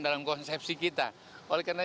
dalam konsepsi kita oleh karena